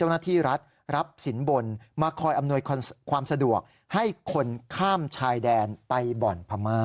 นี่แล้วก็เนี่ย